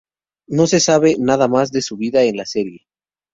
No se sabe nada más de su vida en la serie.